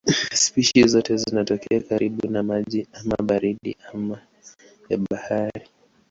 Spishi zote zinatokea karibu na maji ama baridi ama ya bahari.